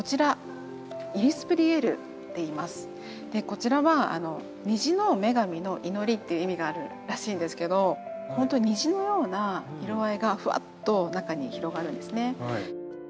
こちらは「虹の女神の祈り」っていう意味があるらしいんですけどほんとに虹のような色合いがふわっと中に広がるんですね。